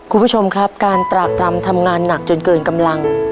คุณผู้ชมครับการตรากตรำทำงานหนักจนเกินกำลัง